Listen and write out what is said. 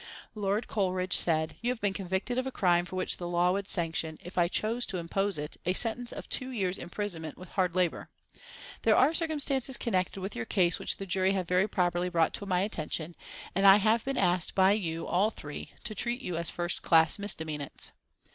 Lord Coleridge said: "You have been convicted of a crime for which the law would sanction, if I chose to impose it, a sentence of two years' imprisonment with hard labour. There are circumstances connected with your case which the jury have very properly brought to my attention, and I have been asked by you all three to treat you as first class misdemeanants.